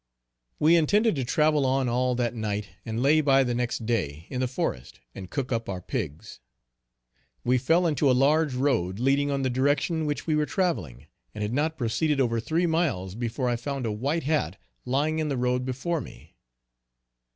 We intended to travel on all that night and lay by the next day in the forest and cook up our pigs. We fell into a large road leading on the direction which we were travelling, and had not proceeded over three miles before I found a white hat lying in the road before me.